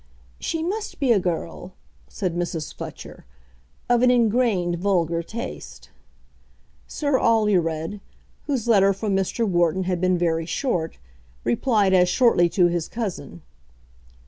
"She must be a girl," said Mrs. Fletcher, "of an ingrained vulgar taste." Sir Alured, whose letter from Mr. Wharton had been very short, replied as shortly to his cousin.